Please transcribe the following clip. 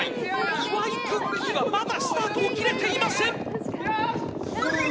岩井クッキーはまだスタートを切れていません！